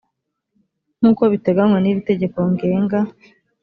nk uko biteganywa n iri tegeko ngenga